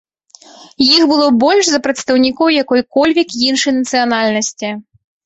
Іх было больш за прадстаўнікоў якой-кольвек іншай нацыянальнасці.